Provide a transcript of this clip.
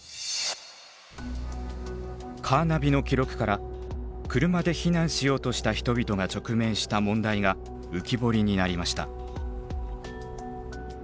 カーナビの記録から車で避難しようとした人々が直面した問題が浮き彫りになりました。